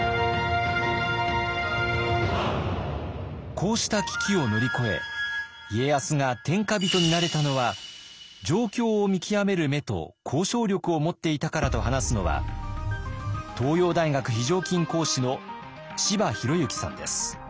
こうした危機を乗り越え家康が天下人になれたのは状況を見極める目と交渉力を持っていたからと話すのは東洋大学非常勤講師の柴裕之さんです。